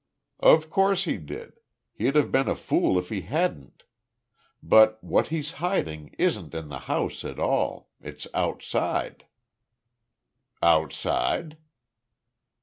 "Of course he did. He'd have been a fool if he hadn't. But what he's hiding isn't in the house at all. It's outside." "Outside?"